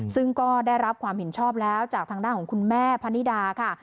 ซึ่งก็ได้รับความเห็นชอบแล้วจากทางด้านของคุณแม่พนิดาค่ะ